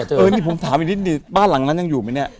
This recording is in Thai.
เออนี่ผมถามอีกนิดหนิ